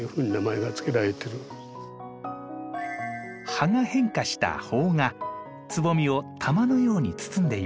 葉が変化した苞がつぼみを玉のように包んでいます。